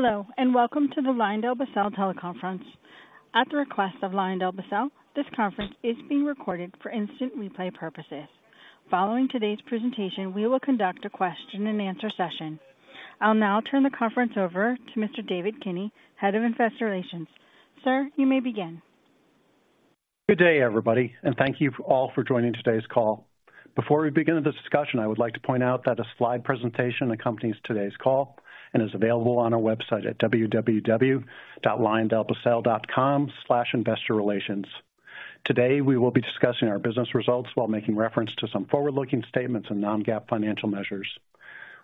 Hello, and welcome to the LyondellBasell teleconference. At the request of LyondellBasell, this conference is being recorded for instant replay purposes. Following today's presentation, we will conduct a question-and-answer session. I'll now turn the conference over to Mr. David Kinney, Head of Investor Relations. Sir, you may begin. Good day, everybody, and thank you all for joining today's call. Before we begin the discussion, I would like to point out that a slide presentation accompanies today's call and is available on our website at www.lyondellbasell.com/investorrelations. Today, we will be discussing our business results while making reference to some forward-looking statements and non-GAAP financial measures.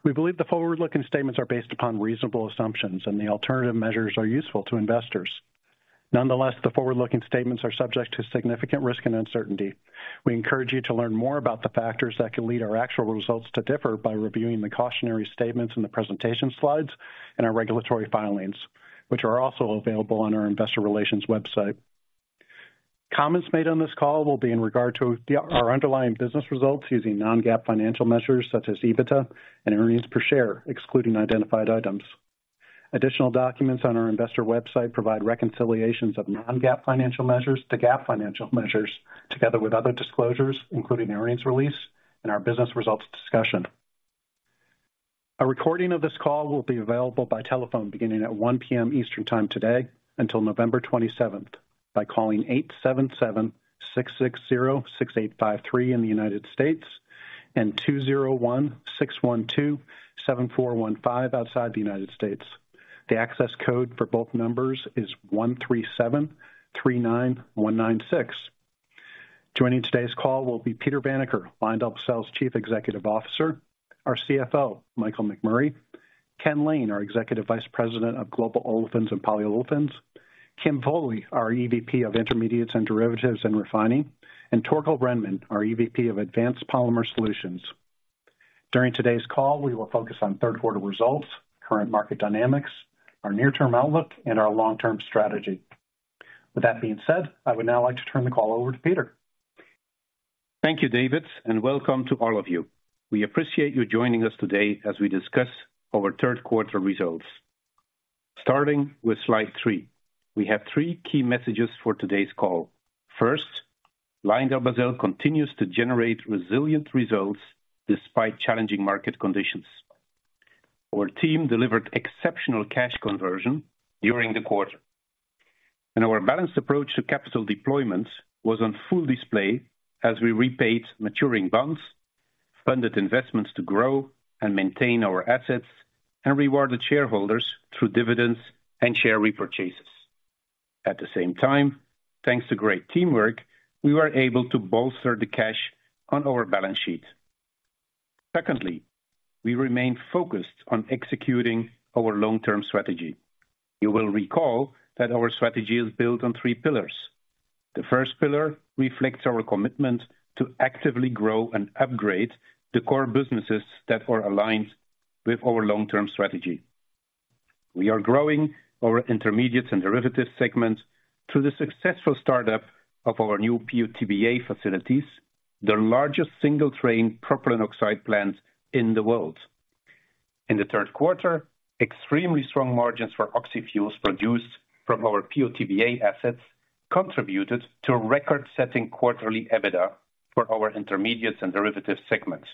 We believe the forward-looking statements are based upon reasonable assumptions and the alternative measures are useful to investors. Nonetheless, the forward-looking statements are subject to significant risk and uncertainty. We encourage you to learn more about the factors that could lead our actual results to differ by reviewing the cautionary statements in the presentation slides and our regulatory filings, which are also available on our investor relations website. Comments made on this call will be in regard to our underlying business results using non-GAAP financial measures such as EBITDA and earnings per share, excluding identified items. Additional documents on our investor website provide reconciliations of non-GAAP financial measures to GAAP financial measures, together with other disclosures, including earnings release and our business results discussion. A recording of this call will be available by telephone beginning at 1:00 P.M. Eastern Time today until November 27th, by calling 877-660-6853 in the United States and 201-612-7415 outside the United States. The access code for both numbers is 13739196. Joining today's call will be Peter Vanacker, LyondellBasell's Chief Executive Officer, our CFO, Michael McMurray, Ken Lane, our Executive Vice President of Global Olefins and Polyolefins, Kim Foley, our EVP of Intermediates and Derivatives and Refining, and Torkel Rhenman, our EVP of Advanced Polymer Solutions. During today's call, we will focus on third quarter results, current market dynamics, our near-term outlook, and our long-term strategy. With that being said, I would now like to turn the call over to Peter. Thank you, David, and welcome to all of you. We appreciate you joining us today as we discuss our third quarter results. Starting with slide three, we have three key messages for today's call. First, LyondellBasell continues to generate resilient results despite challenging market conditions. Our team delivered exceptional cash conversion during the quarter, and our balanced approach to capital deployment was on full display as we repaid maturing bonds, funded investments to grow and maintain our assets, and rewarded shareholders through dividends and share repurchases. At the same time, thanks to great teamwork, we were able to bolster the cash on our balance sheet. Secondly, we remain focused on executing our long-term strategy. You will recall that our strategy is built on three pillars. The first pillar reflects our commitment to actively grow and upgrade the core businesses that are aligned with our long-term strategy. We are growing our intermediates and derivatives segments through the successful startup of our new PO/TBA facilities, the largest single-train propylene oxide plants in the world. In the third quarter, extremely strong margins for oxyfuels produced from our PO/TBA assets contributed to a record-setting quarterly EBITDA for our intermediates and derivatives segments.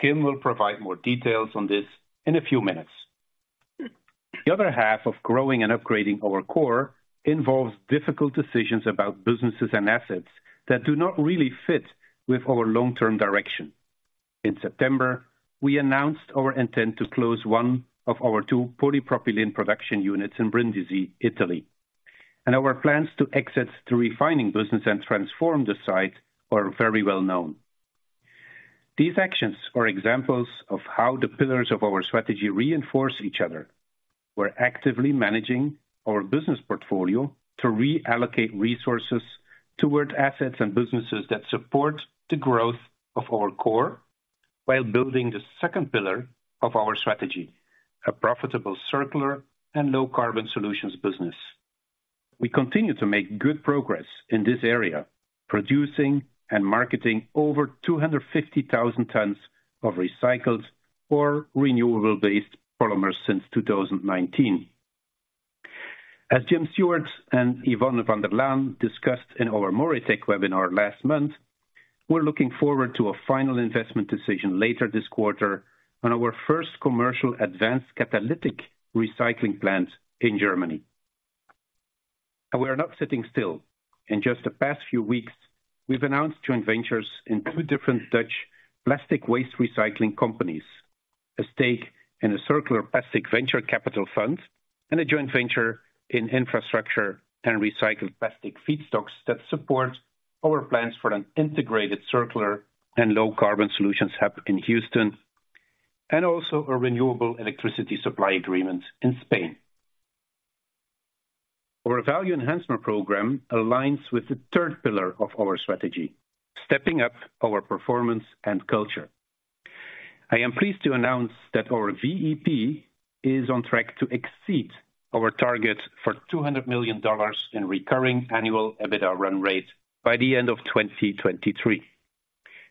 Kim will provide more details on this in a few minutes. The other half of growing and upgrading our core involves difficult decisions about businesses and assets that do not really fit with our long-term direction. In September, we announced our intent to close one of our two polypropylene production units in Brindisi, Italy, and our plans to exit the refining business and transform the site are very well known. These actions are examples of how the pillars of our strategy reinforce each other. We're actively managing our business portfolio to reallocate resources towards assets and businesses that support the growth of our core, while building the second pillar of our strategy, a profitable, circular, and low-carbon solutions business. We continue to make good progress in this area, producing and marketing over 250,000 tons of recycled or renewable-based polymers since 2019. As Jim Seward and Yvonne van der Laan discussed in our MoReTec webinar last month, we're looking forward to a final investment decision later this quarter on our first commercial advanced catalytic recycling plant in Germany. We are not sitting still. In just the past few weeks, we've announced joint ventures in two different Dutch plastic waste recycling companies, a stake in a circular plastic venture capital fund, and a joint venture in infrastructure and recycled plastic feedstocks that support our plans for an integrated, circular, and low-carbon solutions hub in Houston, and also a renewable electricity supply agreement in Spain. Our value enhancement program aligns with the third pillar of our strategy, stepping up our performance and culture. I am pleased to announce that our VEP is on track to exceed our target for $200 million in recurring annual EBITDA run rate by the end of 2023.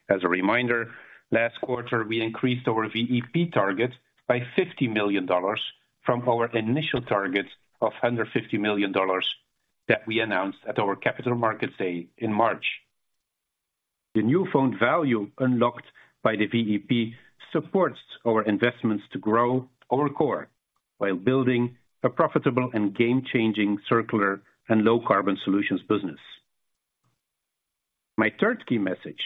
As a reminder, last quarter, we increased our VEP target by $50 million from our initial target of $150 million that we announced at our Capital Markets Day in March. The newfound value unlocked by the VEP supports our investments to grow our core, while building a profitable and game-changing circular and low-carbon solutions business. My third key message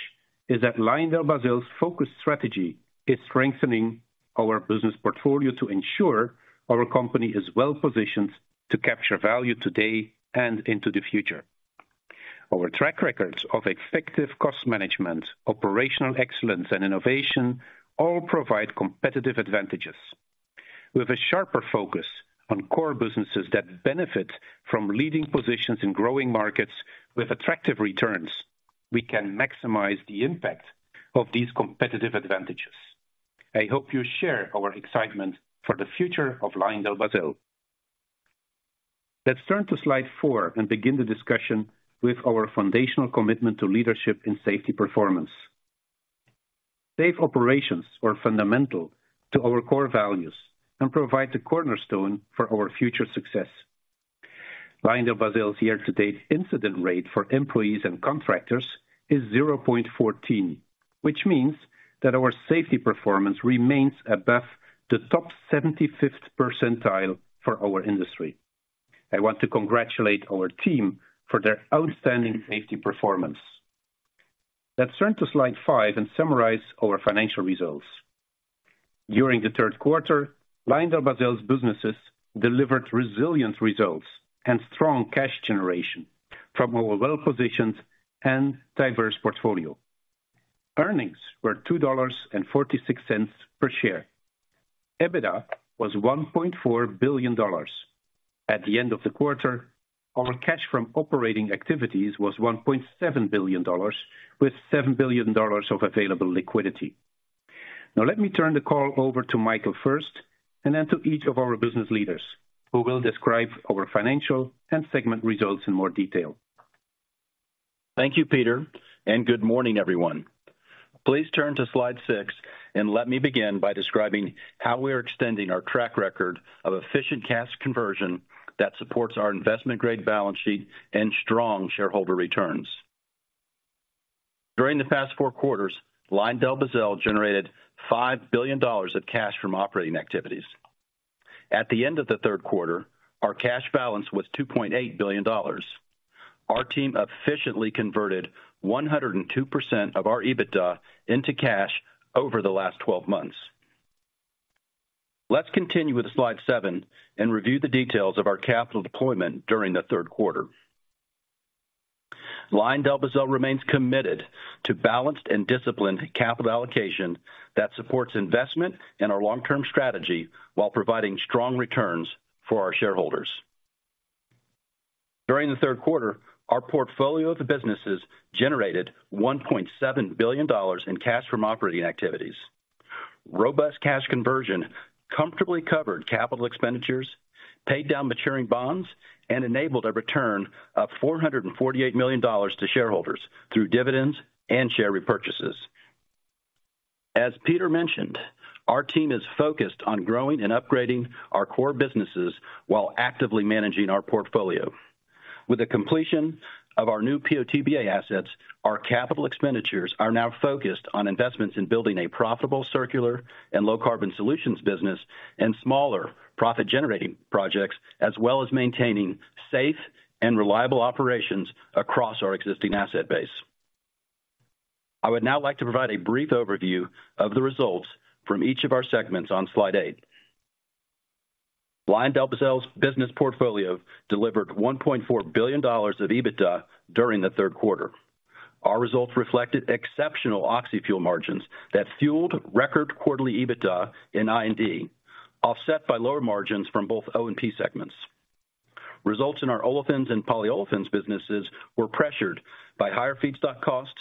is that LyondellBasell's focus strategy is strengthening our business portfolio to ensure our company is well-positioned to capture value today and into the future. Our track records of effective cost management, operational excellence, and innovation all provide competitive advantages. With a sharper focus on core businesses that benefit from leading positions in growing markets with attractive returns, we can maximize the impact of these competitive advantages. I hope you share our excitement for the future of LyondellBasell. Let's turn to slide four and begin the discussion with our foundational commitment to leadership in safety performance. Safe operations are fundamental to our core values and provide the cornerstone for our future success. LyondellBasell's year-to-date incident rate for employees and contractors is 0.14, which means that our safety performance remains above the top 75th percentile for our industry. I want to congratulate our team for their outstanding safety performance. Let's turn to slide five and summarize our financial results. During the third quarter, LyondellBasell's businesses delivered resilient results and strong cash generation from our well-positioned and diverse portfolio. Earnings were $2.46 per share. EBITDA was $1.4 billion. At the end of the quarter, our cash from operating activities was $1.7 billion, with $7 billion of available liquidity. Now, let me turn the call over to Michael first, and then to each of our business leaders, who will describe our financial and segment results in more detail. Thank you, Peter, and good morning, everyone. Please turn to slide six and let me begin by describing how we are extending our track record of efficient cash conversion that supports our investment-grade balance sheet and strong shareholder returns. During the past four quarters, LyondellBasell generated $5 billion of cash from operating activities. At the end of the third quarter, our cash balance was $2.8 billion. Our team efficiently converted 102% of our EBITDA into cash over the last 12 months. Let's continue with slide seven and review the details of our capital deployment during the third quarter. LyondellBasell remains committed to balanced and disciplined capital allocation that supports investment in our long-term strategy, while providing strong returns for our shareholders. During the third quarter, our portfolio of businesses generated $1.7 billion in cash from operating activities. Robust cash conversion comfortably covered capital expenditures, paid down maturing bonds, and enabled a return of $448 million to shareholders through dividends and share repurchases. As Peter mentioned, our team is focused on growing and upgrading our core businesses while actively managing our portfolio. With the completion of our new PO/TBA assets, our capital expenditures are now focused on investments in building a profitable, circular, and low-carbon solutions business and smaller profit-generating projects, as well as maintaining safe and reliable operations across our existing asset base. I would now like to provide a brief overview of the results from each of our segments on slide eight. LyondellBasell's business portfolio delivered $1.4 billion of EBITDA during the third quarter. Our results reflected exceptional oxy-fuel margins that fueled record quarterly EBITDA in I&D, offset by lower margins from both O&P segments. Results in our olefins and polyolefins businesses were pressured by higher feedstock costs,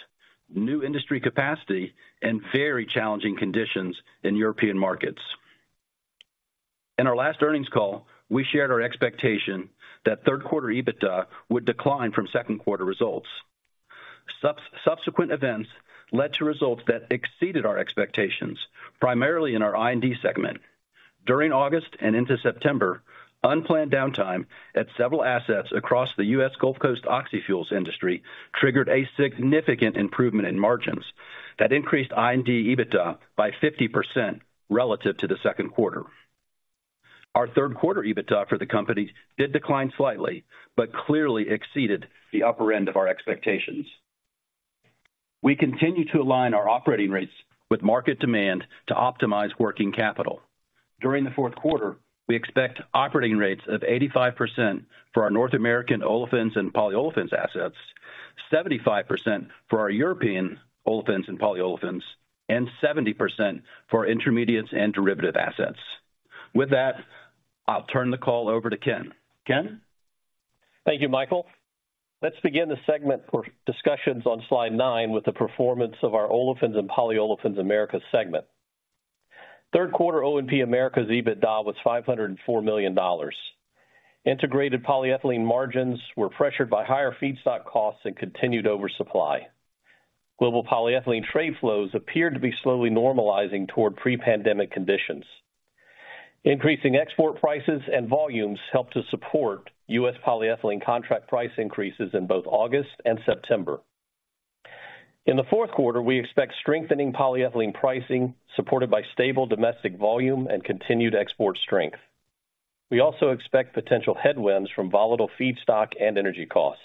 new industry capacity, and very challenging conditions in European markets. In our last earnings call, we shared our expectation that third quarter EBITDA would decline from second quarter results. Subsequent events led to results that exceeded our expectations, primarily in our I&D segment. During August and into September, unplanned downtime at several assets across the U.S. Gulf Coast oxyfuels industry triggered a significant improvement in margins that increased I&D EBITDA by 50% relative to the second quarter. Our third quarter EBITDA for the company did decline slightly, but clearly exceeded the upper end of our expectations. We continue to align our operating rates with market demand to optimize working capital. During the fourth quarter, we expect operating rates of 85% for our North American olefins and polyolefins assets, 75% for our European olefins and polyolefins, and 70% for intermediates and derivative assets. With that, I'll turn the call over to Ken. Ken? Thank you, Michael. Let's begin the segment for discussions on slide nine with the performance of our olefins and polyolefins Americas segment. Third quarter O&P Americas' EBITDA was $504 million. Integrated polyethylene margins were pressured by higher feedstock costs and continued oversupply. Global polyethylene trade flows appeared to be slowly normalizing toward pre-pandemic conditions. Increasing export prices and volumes helped to support U.S. polyethylene contract price increases in both August and September. In the fourth quarter, we expect strengthening polyethylene pricing, supported by stable domestic volume and continued export strength. We also expect potential headwinds from volatile feedstock and energy costs.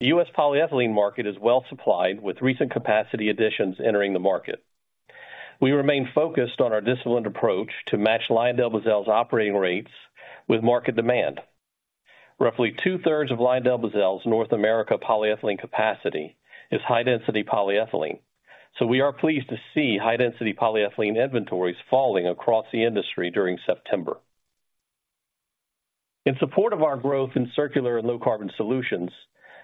The U.S. polyethylene market is well supplied, with recent capacity additions entering the market. We remain focused on our disciplined approach to match LyondellBasell's operating rates with market demand. Roughly two-thirds of LyondellBasell's North America polyethylene capacity is high-density polyethylene, so we are pleased to see high-density polyethylene inventories falling across the industry during September. In support of our growth in circular and low carbon solutions,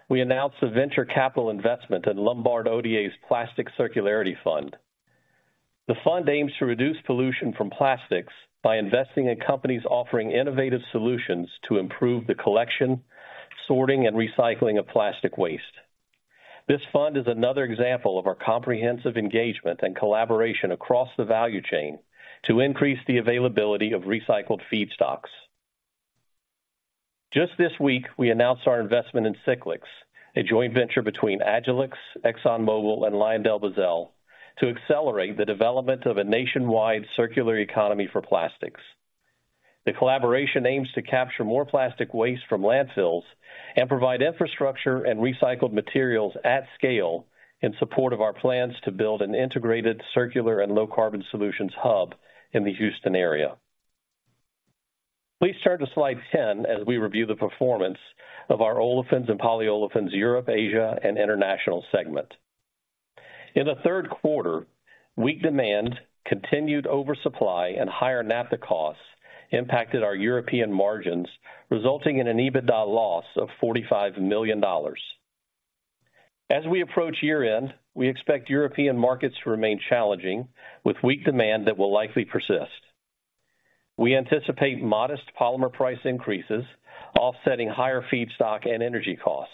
we announced a venture capital investment in Lombard Odier's Plastic Circularity Fund. The fund aims to reduce pollution from plastics by investing in companies offering innovative solutions to improve the collection, sorting, and recycling of plastic waste. This fund is another example of our comprehensive engagement and collaboration across the value chain to increase the availability of recycled feedstocks. Just this week, we announced our investment in Cyclyx, a joint venture between Agilyx, ExxonMobil, and LyondellBasell, to accelerate the development of a nationwide circular economy for plastics. The collaboration aims to capture more plastic waste from landfills and provide infrastructure and recycled materials at scale in support of our plans to build an integrated circular and low carbon solutions hub in the Houston area. Please turn to slide 10 as we review the performance of our Olefins and Polyolefins, Europe, Asia, and International segment. In the third quarter, weak demand, continued oversupply, and higher naphtha costs impacted our European margins, resulting in an EBITDA loss of $45 million. As we approach year-end, we expect European markets to remain challenging, with weak demand that will likely persist. We anticipate modest polymer price increases, offsetting higher feedstock and energy costs.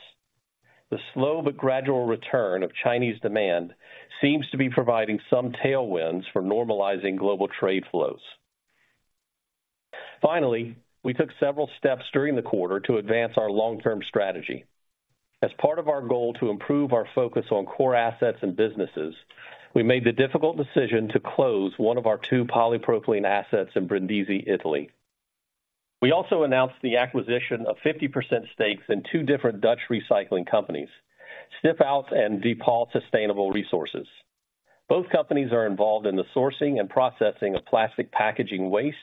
The slow but gradual return of Chinese demand seems to be providing some tailwinds for normalizing global trade flows. Finally, we took several steps during the quarter to advance our long-term strategy. As part of our goal to improve our focus on core assets and businesses, we made the difficult decision to close one of our two polypropylene assets in Brindisi, Italy. We also announced the acquisition of 50% stakes in two different Dutch recycling companies, Stiphout and De Paauw Sustainable Resources. Both companies are involved in the sourcing and processing of plastic packaging waste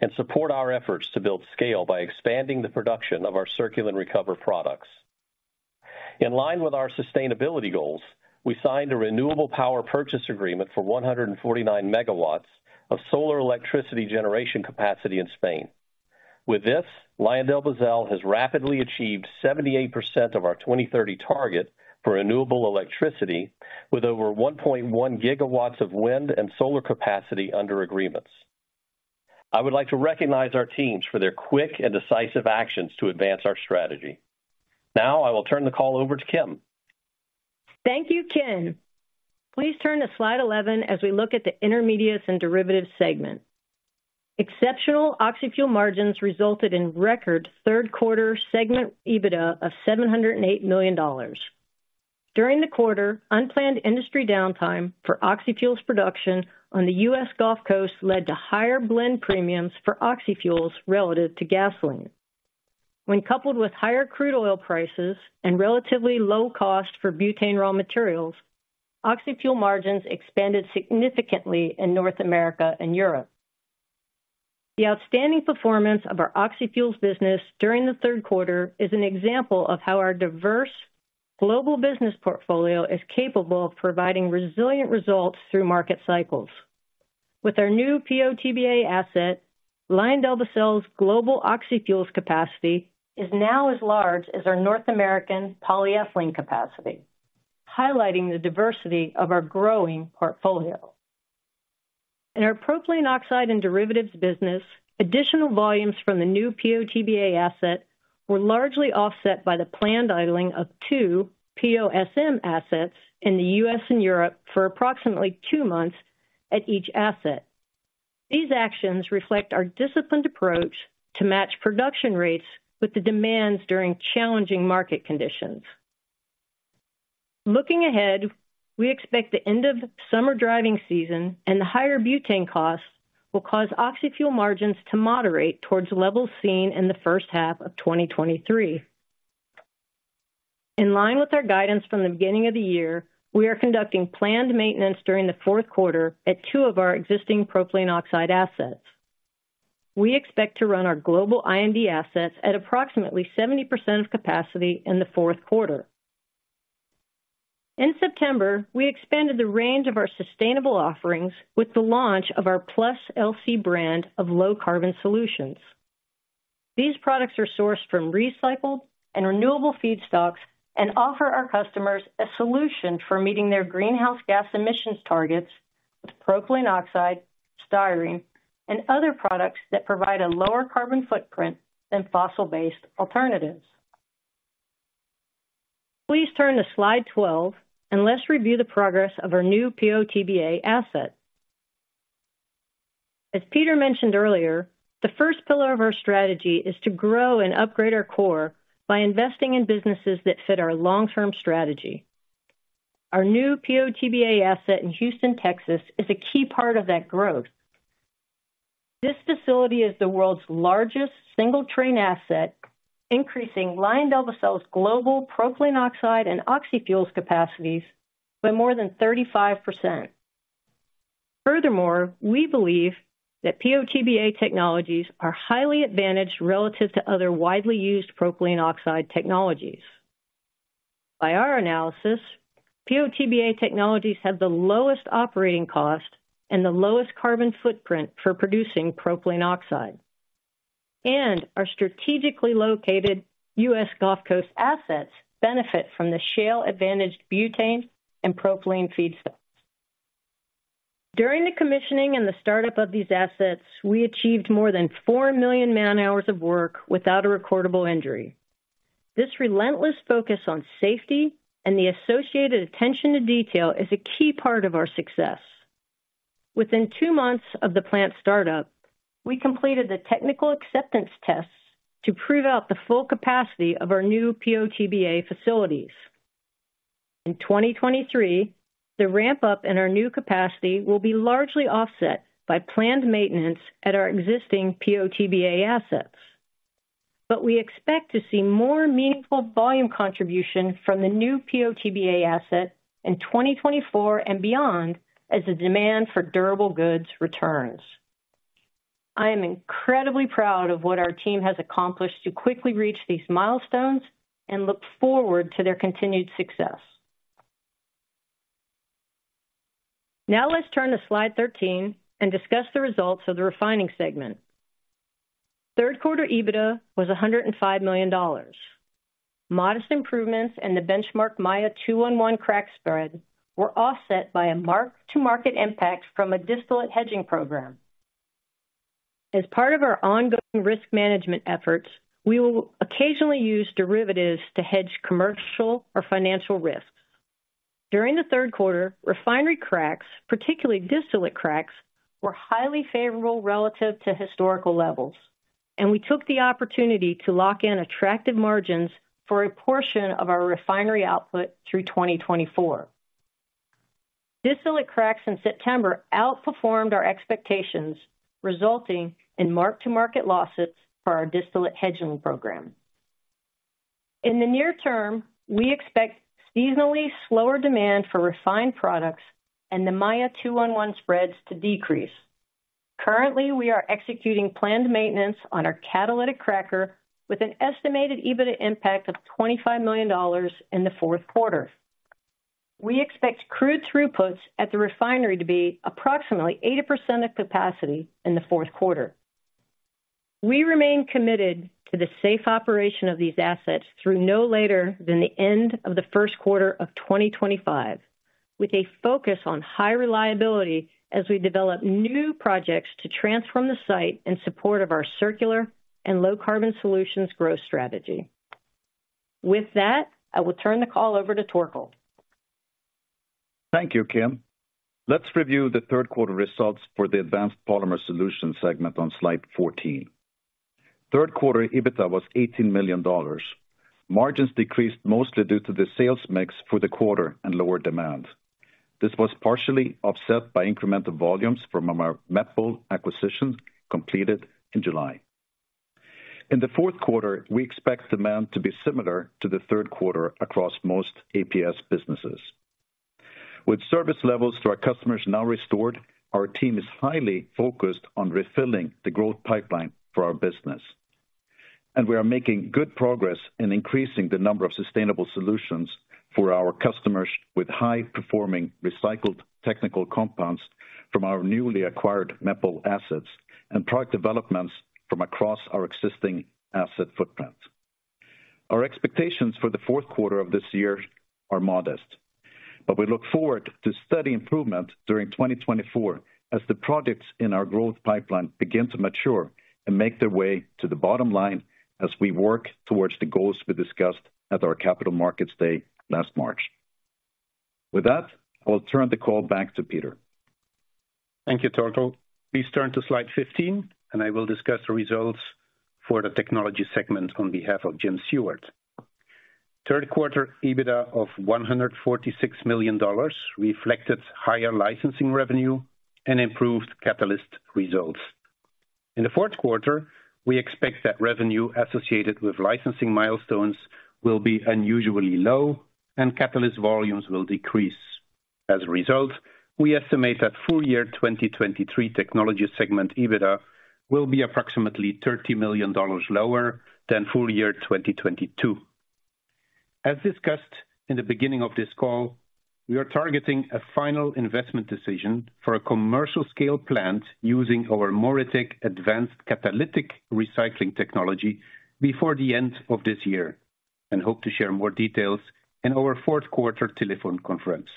and support our efforts to build scale by expanding the production of our circular and recover products. In line with our sustainability goals, we signed a renewable power purchase agreement for 149 MW of solar electricity generation capacity in Spain. With this, LyondellBasell has rapidly achieved 78% of our 2030 target for renewable electricity, with over 1.1 GW of wind and solar capacity under agreements. I would like to recognize our teams for their quick and decisive actions to advance our strategy. Now I will turn the call over to Kim. Thank you, Ken. Please turn to slide 11 as we look at the Intermediates and Derivatives segment. Exceptional oxy-fuel margins resulted in record third quarter segment EBITDA of $708 million. During the quarter, unplanned industry downtime for oxy-fuels production on the U.S. Gulf Coast led to higher blend premiums for oxy-fuels relative to gasoline. When coupled with higher crude oil prices and relatively low cost for butane raw materials, oxy-fuel margins expanded significantly in North America and Europe. The outstanding performance of our oxy-fuels business during the third quarter is an example of how our diverse global business portfolio is capable of providing resilient results through market cycles. With our new PO/TBA asset, LyondellBasell's global oxy-fuels capacity is now as large as our North American polyethylene capacity, highlighting the diversity of our growing portfolio. In our propylene oxide and derivatives business, additional volumes from the new PO/TBA asset were largely offset by the planned idling of two POSM assets in the U.S. and Europe for approximately two months at each asset. These actions reflect our disciplined approach to match production rates with the demands during challenging market conditions. Looking ahead, we expect the end of summer driving season and the higher butane costs will cause oxy-fuel margins to moderate towards levels seen in the first half of 2023. In line with our guidance from the beginning of the year, we are conducting planned maintenance during the fourth quarter at two of our existing propylene oxide assets. We expect to run our global I&D assets at approximately 70% of capacity in the fourth quarter. In September, we expanded the range of our sustainable offerings with the launch of our +LC brand of low-carbon solutions. These products are sourced from recycled and renewable feedstocks and offer our customers a solution for meeting their greenhouse gas emissions targets with propylene oxide, styrene, and other products that provide a lower carbon footprint than fossil-based alternatives. Please turn to slide 12, and let's review the progress of our new PO/TBA asset. As Peter mentioned earlier, the first pillar of our strategy is to grow and upgrade our core by investing in businesses that fit our long-term strategy. Our new PO/TBA asset in Houston, Texas, is a key part of that growth. This facility is the world's largest single-train asset, increasing LyondellBasell's global propylene oxide and oxyfuels capacities by more than 35%. Furthermore, we believe that PO/TBA technologies are highly advantaged relative to other widely used propylene oxide technologies. By our analysis, PO/TBA technologies have the lowest operating cost and the lowest carbon footprint for producing propylene oxide, and our strategically located U.S. Gulf Coast assets benefit from the shale-advantaged butane and propylene feedstocks. During the commissioning and the startup of these assets, we achieved more than 4 million man-hours of work without a recordable injury. This relentless focus on safety and the associated attention to detail is a key part of our success. Within two months of the plant startup, we completed the technical acceptance tests to prove out the full capacity of our new PO/TBA facilities. In 2023, the ramp-up in our new capacity will be largely offset by planned maintenance at our existing PO/TBA assets. But we expect to see more meaningful volume contribution from the new PO/TBA asset in 2024 and beyond, as the demand for durable goods returns. I am incredibly proud of what our team has accomplished to quickly reach these milestones and look forward to their continued success. Now let's turn to slide 13 and discuss the results of the refining segment. Third quarter EBITDA was $105 million. Modest improvements in the benchmark Maya 2-1-1 crack spread were offset by a mark-to-market impact from a distillate hedging program. As part of our ongoing risk management efforts, we will occasionally use derivatives to hedge commercial or financial risks. During the third quarter, refinery cracks, particularly distillate cracks, were highly favorable relative to historical levels, and we took the opportunity to lock in attractive margins for a portion of our refinery output through 2024. Distillate cracks in September outperformed our expectations, resulting in mark-to-market losses for our distillate hedging program. In the near term, we expect seasonally slower demand for refined products and the Maya 2-1-1 spreads to decrease. Currently, we are executing planned maintenance on our catalytic cracker with an estimated EBITDA impact of $25 million in the fourth quarter. We expect crude throughputs at the refinery to be approximately 80% of capacity in the fourth quarter. We remain committed to the safe operation of these assets through no later than the end of the first quarter of 2025, with a focus on high reliability as we develop new projects to transform the site in support of our circular and low carbon solutions growth strategy. With that, I will turn the call over to Torkel. Thank you, Kim. Let's review the third quarter results for the Advanced Polymer Solutions segment on slide 14. Third quarter EBITDA was $18 million. Margins decreased mostly due to the sales mix for the quarter and lower demand. This was partially offset by incremental volumes from our Meppel acquisition, completed in July. In the fourth quarter, we expect demand to be similar to the third quarter across most APS businesses. With service levels to our customers now restored, our team is highly focused on refilling the growth pipeline for our business, and we are making good progress in increasing the number of sustainable solutions for our customers with high-performing recycled technical compounds from our newly acquired Meppel assets and product developments from across our existing asset footprint. Our expectations for the fourth quarter of this year are modest, but we look forward to steady improvement during 2024 as the products in our growth pipeline begin to mature and make their way to the bottom line as we work towards the goals we discussed at our Capital Markets Day last March. With that, I will turn the call back to Peter. Thank you, Torkel. Please turn to slide 15, and I will discuss the results for the technology segment on behalf of Jim Seward. Third quarter EBITDA of $146 million reflected higher licensing revenue and improved catalyst results. In the fourth quarter, we expect that revenue associated with licensing milestones will be unusually low and catalyst volumes will decrease. As a result, we estimate that full year 2023 technology segment EBITDA will be approximately $30 million lower than full year 2022. As discussed in the beginning of this call, we are targeting a final investment decision for a commercial-scale plant using our MoReTec advanced catalytic recycling technology before the end of this year, and hope to share more details in our fourth quarter telephone conference.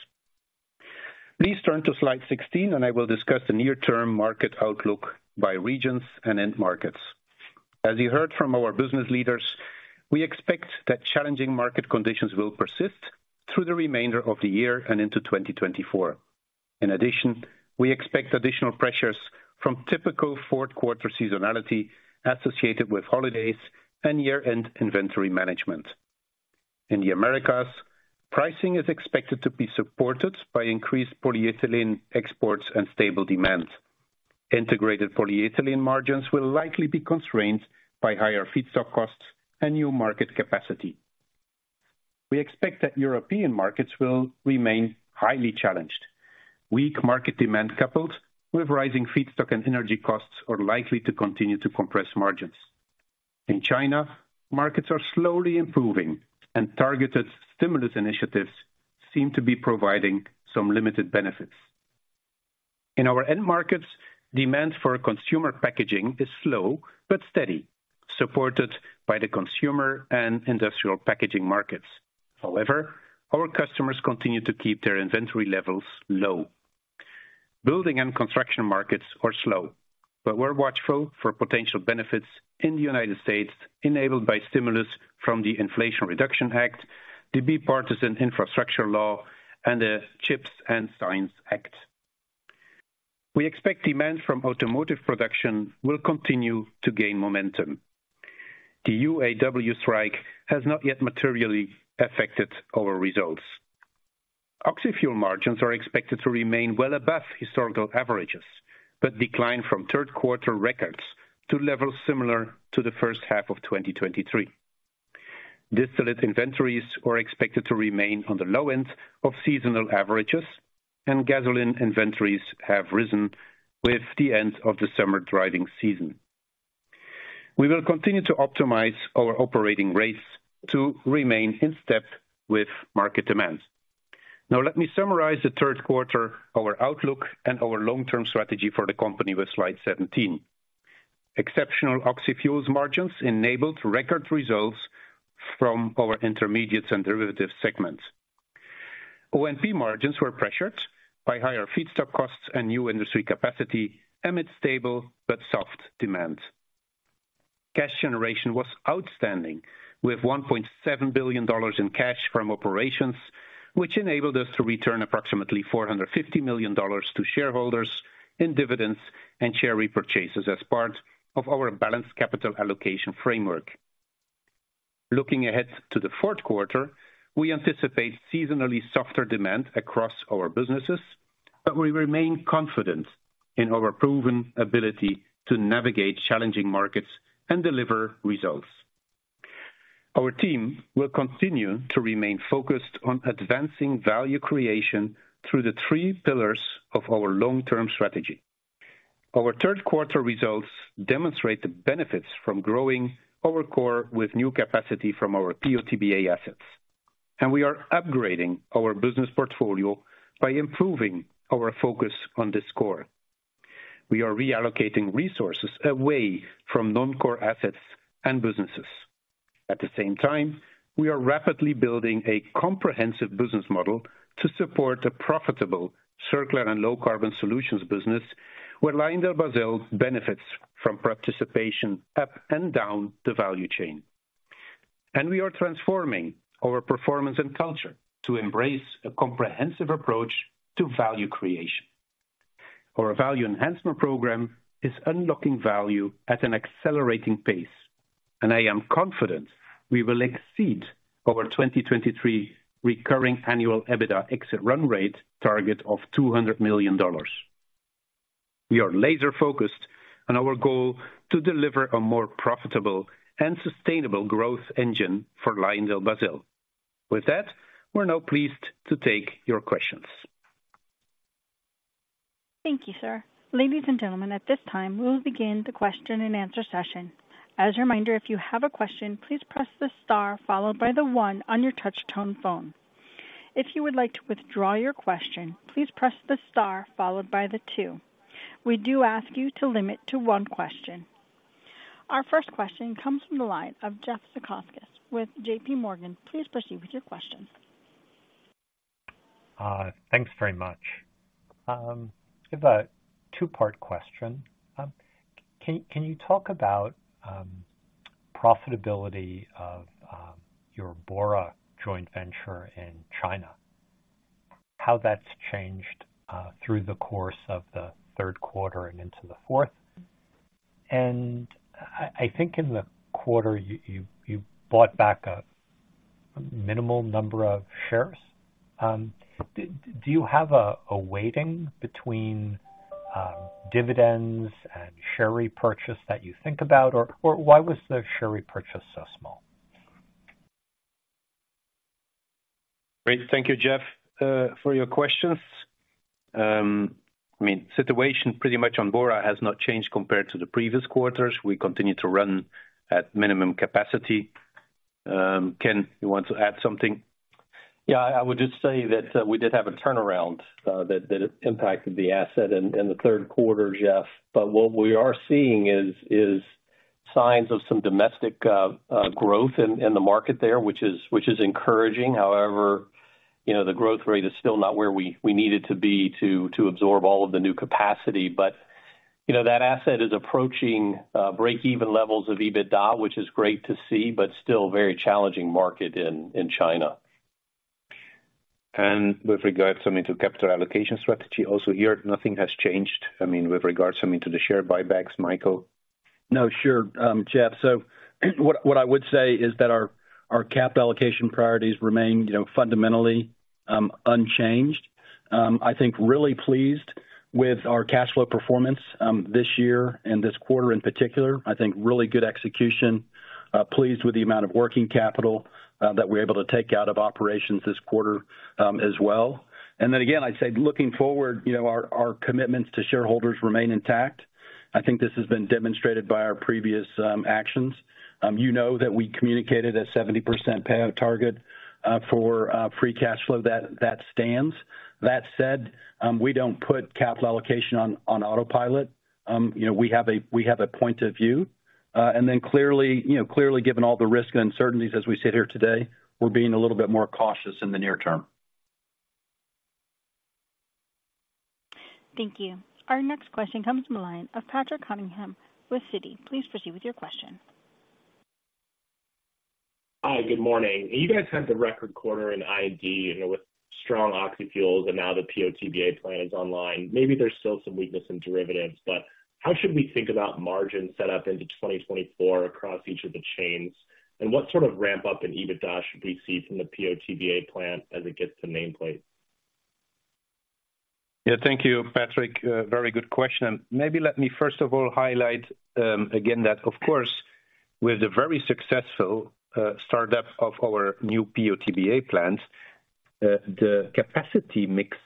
Please turn to slide 16 and I will discuss the near-term market outlook by regions and end markets. As you heard from our business leaders, we expect that challenging market conditions will persist through the remainder of the year and into 2024. In addition, we expect additional pressures from typical fourth quarter seasonality associated with holidays and year-end inventory management. In the Americas, pricing is expected to be supported by increased polyethylene exports and stable demand. Integrated polyethylene margins will likely be constrained by higher feedstock costs and new market capacity. We expect that European markets will remain highly challenged. Weak market demand, coupled with rising feedstock and energy costs, are likely to continue to compress margins. In China, markets are slowly improving and targeted stimulus initiatives seem to be providing some limited benefits. In our end markets, demand for consumer packaging is slow but steady, supported by the consumer and industrial packaging markets. However, our customers continue to keep their inventory levels low. Building and construction markets are slow, but we're watchful for potential benefits in the United States, enabled by stimulus from the Inflation Reduction Act, the Bipartisan Infrastructure Law, and the CHIPS and Science Act. We expect demand from automotive production will continue to gain momentum. The UAW strike has not yet materially affected our results. Oxyfuel margins are expected to remain well above historical averages, but decline from third quarter records to levels similar to the first half of 2023. Distillate inventories are expected to remain on the low end of seasonal averages, and gasoline inventories have risen with the end of the summer driving season. We will continue to optimize our operating rates to remain in step with market demand. Now, let me summarize the third quarter, our outlook, and our long-term strategy for the company with slide 17. Exceptional oxyfuels margins enabled record results from our intermediates and derivatives segments. O&P margins were pressured by higher feedstock costs and new industry capacity, amid stable but soft demand. Cash generation was outstanding, with $1.7 billion in cash from operations, which enabled us to return approximately $450 million to shareholders in dividends and share repurchases as part of our balanced capital allocation framework. Looking ahead to the fourth quarter, we anticipate seasonally softer demand across our businesses, but we remain confident in our proven ability to navigate challenging markets and deliver results. Our team will continue to remain focused on advancing value creation through the three pillars of our long-term strategy. Our third quarter results demonstrate the benefits from growing our core with new capacity from our PO/TBA assets, and we are upgrading our business portfolio by improving our focus on this core. We are reallocating resources away from non-core assets and businesses. At the same time, we are rapidly building a comprehensive business model to support a profitable, circular and low-carbon solutions business, where LyondellBasell benefits from participation up and down the value chain. We are transforming our performance and culture to embrace a comprehensive approach to value creation. Our value enhancement program is unlocking value at an accelerating pace, and I am confident we will exceed our 2023 recurring annual EBITDA exit run rate target of $200 million. We are laser-focused on our goal to deliver a more profitable and sustainable growth engine for LyondellBasell. With that, we're now pleased to take your questions. Thank you, sir. Ladies and gentlemen, at this time, we'll begin the question-and-answer session. As a reminder, if you have a question, please press the star followed by the one on your touch tone phone. If you would like to withdraw your question, please press the star followed by the two. We do ask you to limit to one question. Our first question comes from the line of Jeff Zekauskas with JPMorgan. Please proceed with your question. Thanks very much. I have a two-part question. Can you talk about profitability of your Bora joint venture in China, how that's changed through the course of the third quarter and into the fourth? I think in the quarter you bought back a minimal number of shares. Do you have a weighting between dividends and share repurchase that you think about? Or why was the share repurchase so small?... Great. Thank you, Jeff, for your questions. I mean, situation pretty much on Bora has not changed compared to the previous quarters. We continue to run at minimum capacity. Ken, you want to add something? Yeah, I would just say that we did have a turnaround that impacted the asset in the third quarter, Jeff. But what we are seeing is signs of some domestic growth in the market there, which is encouraging. However, you know, the growth rate is still not where we need it to be to absorb all of the new capacity. But, you know, that asset is approaching break-even levels of EBITDA, which is great to see, but still very challenging market in China. With regards, I mean, to capital allocation strategy, also here, nothing has changed. I mean, with regards, I mean, to the share buybacks, Michael? No, sure, Jeff. So what I would say is that our cap allocation priorities remain, you know, fundamentally unchanged. I think really pleased with our cash flow performance this year and this quarter in particular. I think really good execution. Pleased with the amount of working capital that we're able to take out of operations this quarter, as well. And then again, I'd say looking forward, you know, our commitments to shareholders remain intact. I think this has been demonstrated by our previous actions. You know that we communicated a 70% payout target for free cash flow. That stands. That said, we don't put capital allocation on autopilot. You know, we have a point of view. And then clearly, you know, clearly, given all the risk and uncertainties as we sit here today, we're being a little bit more cautious in the near term. Thank you. Our next question comes from the line of Patrick Cunningham with Citi. Please proceed with your question. Hi, good morning. You guys had the record quarter in I&D, you know, with strong oxyfuels and now the PO/TBA plant is online. Maybe there's still some weakness in derivatives, but how should we think about margin set up into 2024 across each of the chains? And what sort of ramp-up in EBITDA should we see from the PO/TBA plant as it gets to nameplate? Yeah, thank you, Patrick. Very good question. Maybe let me first of all, highlight, again, that of course, with the very successful, startup of our new PO/TBA plant, the capacity mix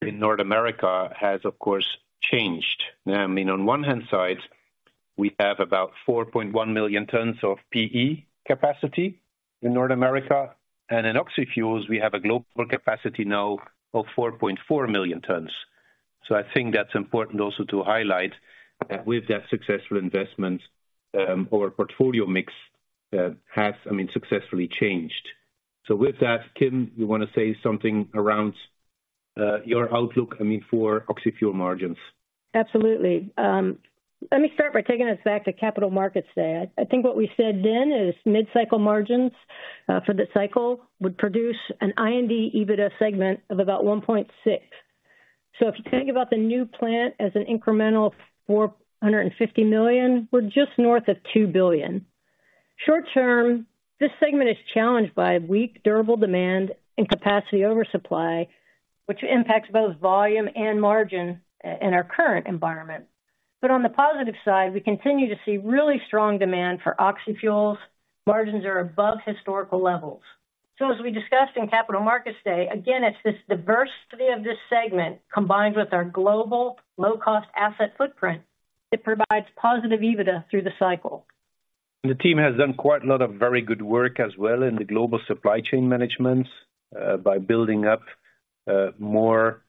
in North America has, of course, changed. I mean, on one hand side, we have about 4.1 million tons of PE capacity in North America, and in oxyfuels, we have a global capacity now of 4.4 million tons. So I think that's important also to highlight that with that successful investment, our portfolio mix, has, I mean, successfully changed. So with that, Kim, you want to say something around, your outlook, I mean, for oxyfuel margins? Absolutely. Let me start by taking us back to Capital Markets Day. I think what we said then is mid-cycle margins for the cycle would produce an I&D EBITDA segment of about $1.6 billion. So if you think about the new plant as an incremental $450 million, we're just north of $2 billion. Short term, this segment is challenged by weak durable demand and capacity oversupply, which impacts both volume and margin in our current environment. But on the positive side, we continue to see really strong demand for oxyfuels. Margins are above historical levels. So as we discussed in Capital Markets Day, again, it's this diversity of this segment, combined with our global low-cost asset footprint, it provides positive EBITDA through the cycle. The team has done quite a lot of very good work as well in the global supply chain management by building up more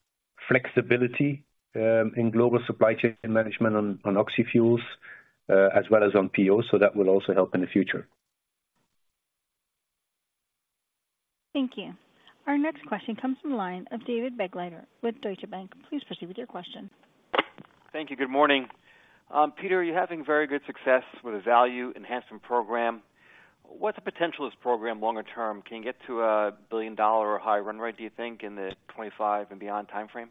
flexibility in global supply chain management on oxyfuels as well as on PO. So that will also help in the future. Thank you. Our next question comes from the line of David Begleiter with Deutsche Bank. Please proceed with your question. Thank you. Good morning. Peter, you're having very good success with the value enhancement program. What's the potential of this program longer term? Can you get to a billion-dollar or higher run rate, do you think, in the 2025 and beyond timeframe?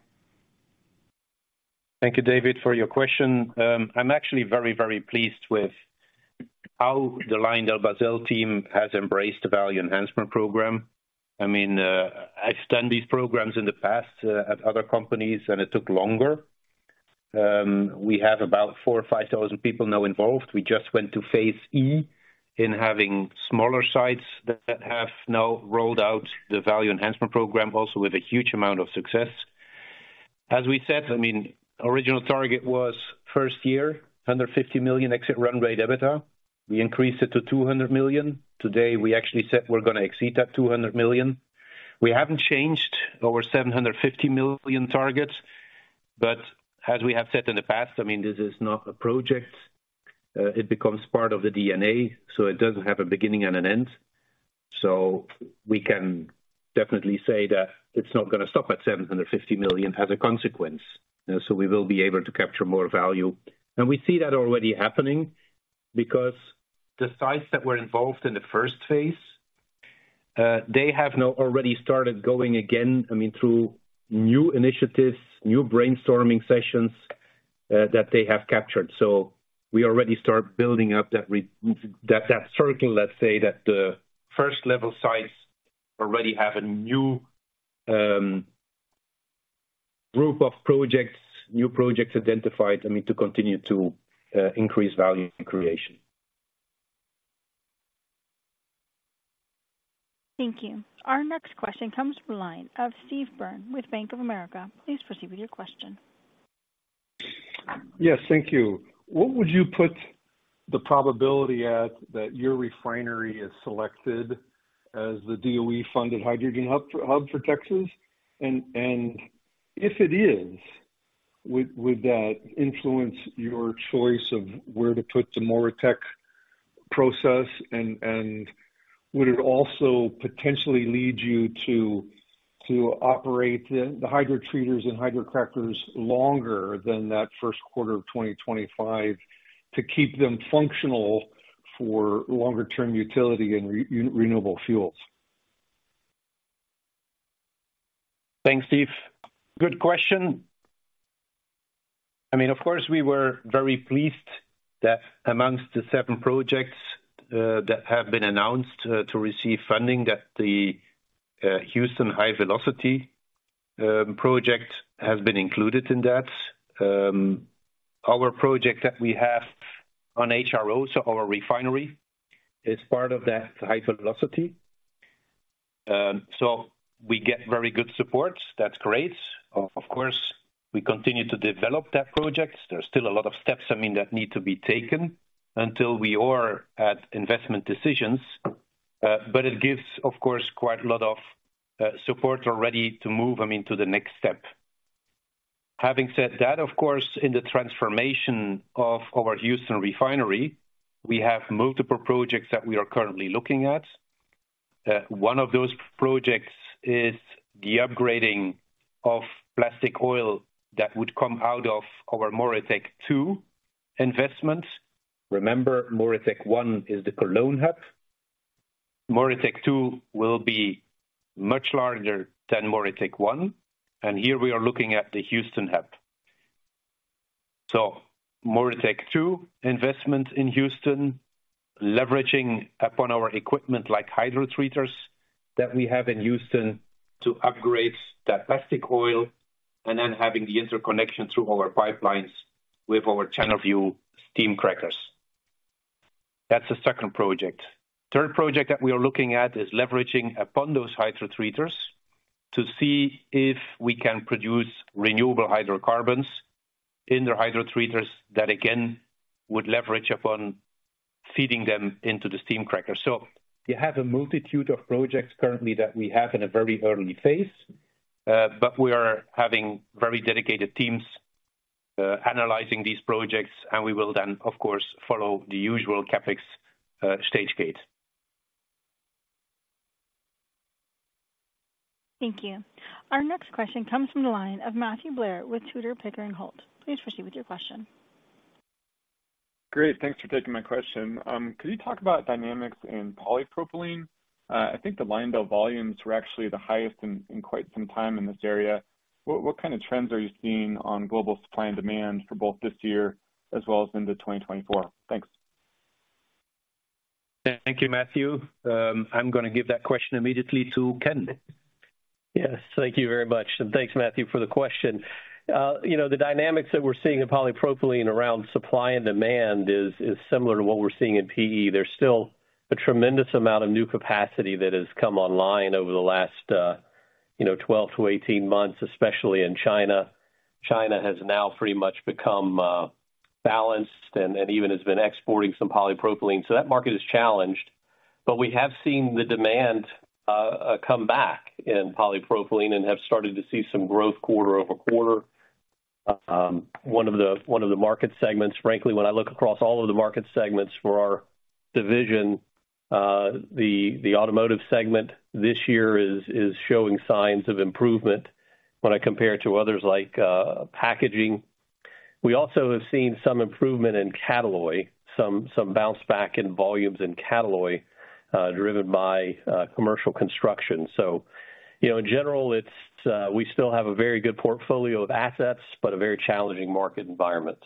Thank you, David, for your question. I'm actually very, very pleased with how the LyondellBasell team has embraced the value enhancement program. I mean, I've done these programs in the past, at other companies, and it took longer. We have about 4,000 or 5,000 people now involved. We just went to phase E in having smaller sites that have now rolled out the value enhancement program, also with a huge amount of success. As we said, I mean, original target was first year, under $50 million exit run rate EBITDA. We increased it to $200 million. Today, we actually said we're gonna exceed that $200 million. We haven't changed our $750 million targets, but as we have said in the past, I mean, this is not a project. It becomes part of the DNA, so it doesn't have a beginning and an end. So we can definitely say that it's not gonna stop at $750 million as a consequence. So we will be able to capture more value. And we see that already happening because the sites that were involved in the first phase, they have now already started going again, I mean, through new initiatives, new brainstorming sessions, that they have captured. So we already start building up that circle, let's say that the first level sites already have a new group of projects, new projects identified, I mean, to continue to increase value creation. Thank you. Our next question comes from the line of Steve Byrne with Bank of America. Please proceed with your question. Yes, thank you. What would you put the probability at that your refinery is selected as the DOE-funded hydrogen hub for Texas? And if it is, would that influence your choice of where to put the MoReTec process? And would it also potentially lead you to operate the hydrotreaters and hydrocrackers longer than that first quarter of 2025 to keep them functional for longer term utility and renewable fuels? Thanks, Steve. Good question. I mean, of course, we were very pleased that among the seven projects that have been announced to receive funding, that the Houston HyVelocity project has been included in that. Our project that we have on HRO, so our refinery, is part of that high velocity. So we get very good support. That's great. Of course, we continue to develop that project. There's still a lot of steps, I mean, that need to be taken until we are at investment decisions. But it gives, of course, quite a lot of support already to move, I mean, to the next step. Having said that, of course, in the transformation of our Houston refinery, we have multiple projects that we are currently looking at. One of those projects is the upgrading of plastic oil that would come out of our MoReTec 2 investment. Remember, MoReTec 1 is the Cologne hub. MoReTec 2 will be much larger than MoReTec 1, and here we are looking at the Houston hub. So MoReTec 2 investment in Houston, leveraging upon our equipment like hydrotreaters that we have in Houston to upgrade that plastic oil, and then having the interconnection through our pipelines with our Channelview steam crackers. That's the second project. Third project that we are looking at is leveraging upon those hydrotreaters to see if we can produce renewable hydrocarbons in the hydrotreaters that, again, would leverage upon feeding them into the steam cracker. We have a multitude of projects currently that we have in a very early phase, but we are having very dedicated teams analyzing these projects, and we will then, of course, follow the usual CapEx stage gate. Thank you. Our next question comes from the line of Matthew Blair with Tudor, Pickering, Holt. Please proceed with your question. Great, thanks for taking my question. Could you talk about dynamics in polypropylene? I think the Lyondell volumes were actually the highest in quite some time in this area. What kind of trends are you seeing on global supply and demand for both this year as well as into 2024? Thanks. Thank you, Matthew. I'm gonna give that question immediately to Ken. Yes, thank you very much, and thanks, Matthew, for the question. You know, the dynamics that we're seeing in polypropylene around supply and demand is similar to what we're seeing in PE. There's still a tremendous amount of new capacity that has come online over the last, you know, 12-18 months, especially in China. China has now pretty much become balanced and even has been exporting some polypropylene, so that market is challenged. But we have seen the demand come back in polypropylene and have started to see some growth quarter over quarter. One of the market segments, frankly, when I look across all of the market segments for our division, the automotive segment this year is showing signs of improvement when I compare it to others like packaging. We also have seen some improvement in Catalloy, some bounce back in volumes in Catalloy, driven by commercial construction. So, you know, in general, it's we still have a very good portfolio of assets, but a very challenging market environment.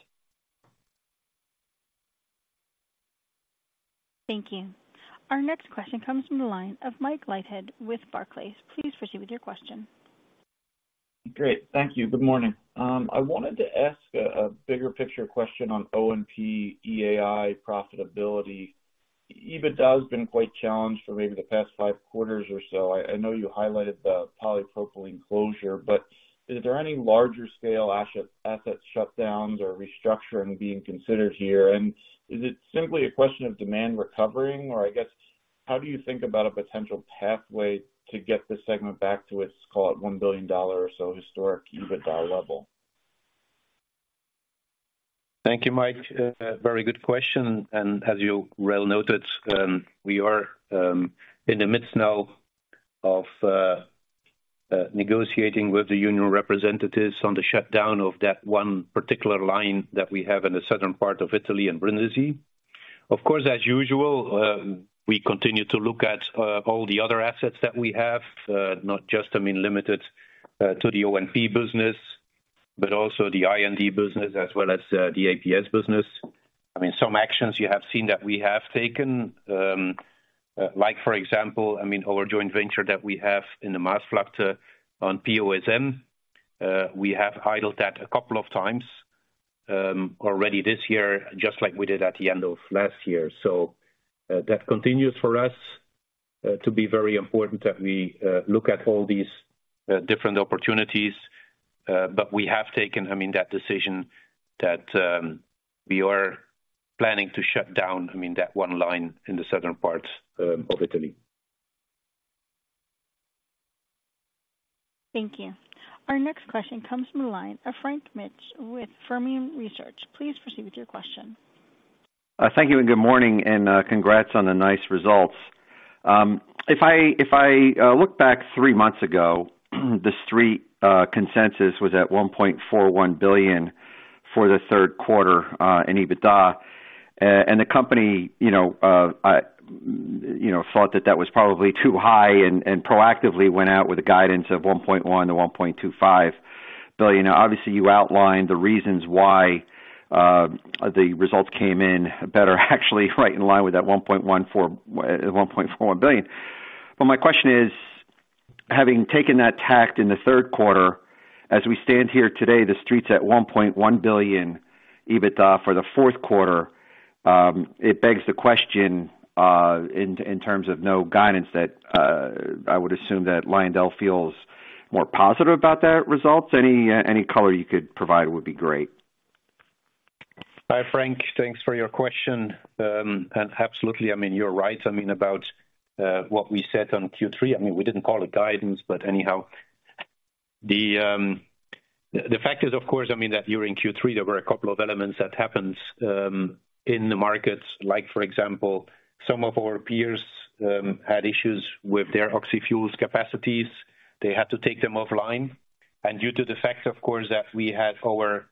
Thank you. Our next question comes from the line of Mike Leithead with Barclays. Please proceed with your question. Great. Thank you. Good morning. I wanted to ask a bigger picture question on O&P EAI profitability. EBITDA has been quite challenged for maybe the past 5 quarters or so. I know you highlighted the polypropylene closure, but is there any larger scale asset shutdowns or restructuring being considered here? And is it simply a question of demand recovering? Or I guess, how do you think about a potential pathway to get this segment back to its, call it, $1 billion or so historic EBITDA level? Thank you, Mike. Very good question, and as you well noted, we are in the midst now of negotiating with the union representatives on the shutdown of that one particular line that we have in the southern part of Italy in Brindisi. Of course, as usual, we continue to look at all the other assets that we have, not just, I mean, limited to the O&P business... but also the I&D business as well as the APS business. I mean, some actions you have seen that we have taken, like, for example, I mean, our joint venture that we have in the Maasvlakte on POSM, we have idled that a couple of times already this year, just like we did at the end of last year. So, that continues for us to be very important that we look at all these different opportunities. But we have taken, I mean, that decision that we are planning to shut down, I mean, that one line in the southern parts of Italy. Thank you. Our next question comes from the line of Frank Mitsch with Fermium Research. Please proceed with your question. Thank you, and good morning, and congrats on the nice results. If I look back three months ago, the Street consensus was at $1.41 billion for the third quarter in EBITDA. The company, you know, thought that that was probably too high and proactively went out with a guidance of $1.1 billion-$1.25 billion. Obviously, you outlined the reasons why the results came in better, actually right in line with that $1.14billion-$1.41 billion. But my question is: having taken that tack in the third quarter, as we stand here today, the Street's at $1.1 billion EBITDA for the fourth quarter. It begs the question, in terms of no guidance, that I would assume that Lyondell feels more positive about that results. Any color you could provide would be great. Hi, Frank. Thanks for your question. And absolutely, I mean, you're right, I mean, about what we said on Q3. I mean, we didn't call it guidance, but anyhow. The fact is, of course, I mean, that during Q3, there were a couple of elements that happens in the markets, like, for example, some of our peers had issues with their oxyfuels capacities. They had to take them offline. And due to the fact, of course, that we had our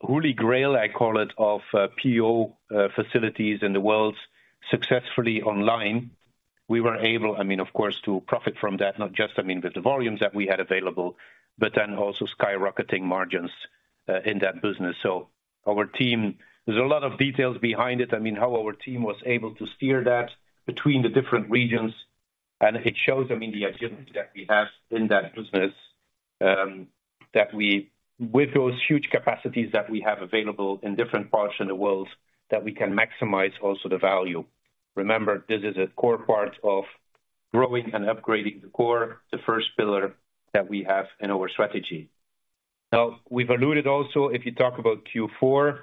holy grail, I call it, of PO facilities in the world successfully online, we were able, I mean, of course, to profit from that, not just, I mean, with the volumes that we had available, but then also skyrocketing margins in that business. So our team... There's a lot of details behind it, I mean, how our team was able to steer that between the different regions, and it shows, I mean, the agility that we have in that business, that we, with those huge capacities that we have available in different parts of the world, that we can maximize also the value. Remember, this is a core part of growing and upgrading the core, the first pillar that we have in our strategy. Now, we've alluded also, if you talk about Q4,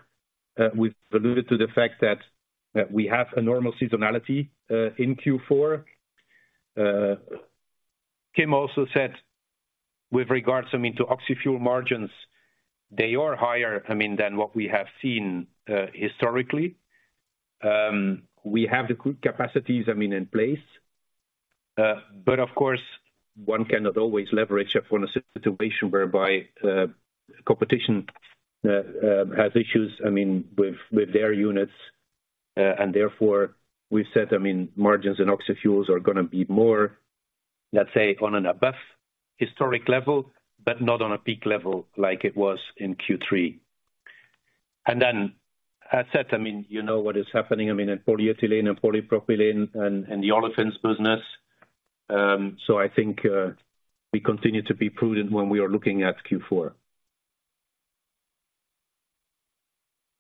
we've alluded to the fact that, that we have a normal seasonality, in Q4. Kim also said with regards, I mean, to oxyfuel margins, they are higher, I mean, than what we have seen, historically. We have the good capacities, I mean, in place. But of course, one cannot always leverage upon a situation whereby competition has issues, I mean, with their units. And therefore, we've said, I mean, margins and oxyfuels are going to be more, let's say, on an above historic level, but not on a peak level like it was in Q3. And then, as said, I mean, you know what is happening, I mean, in polyethylene and polypropylene and the olefins business. So I think we continue to be prudent when we are looking at Q4.